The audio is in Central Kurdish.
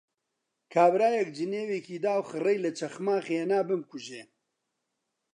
کابرایەک جنێوێکی دا و خڕەی لە چەخماخ هێنا بمکوژێ